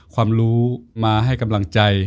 ความรู้มาให้กำลังใจ